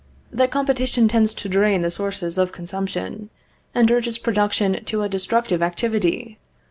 That competition tends to drain the sources of consumption, and urges production to a destructive activity?